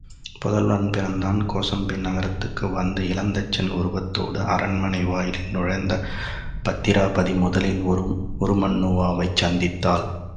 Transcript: புதல்வன் பிறந்தான் கோசாம்பி நகரத்துக்கு வந்து இளந்தச்சன் உருவத்தோடு அரண்மனை வாயிலில் நுழைந்த பத்திராபதி, முதலில் உருமண்ணுவாவைச் சந்தித்தாள்.